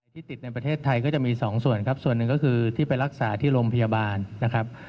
ที่ติดในประเทศไทยก็จะมีสองส่วนครับส่วนหนึ่งก็คือที่ไปรักษาที่โรงพยาบาลนะครับ